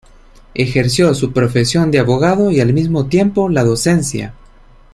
Ejerció su profesión de abogado y, al mismo tiempo, la docencia.